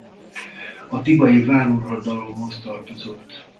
A tibai váruradalomhoz tartozott.